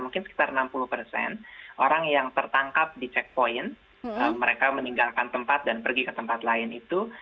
mungkin sekitar enam puluh persen orang yang tertangkap di checkpoint mereka meninggalkan tempat dan pergi ke tempat lain itu